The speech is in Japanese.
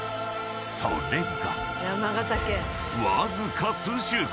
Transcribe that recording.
［それが］